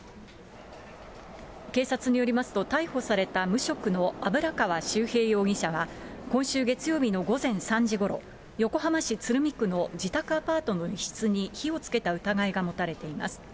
警察によりますと、逮捕された無職の油川秀平容疑者は、今週月曜日の午前３時ごろ、横浜市鶴見区の自宅アパートの一室に火をつけた疑いが持たれています。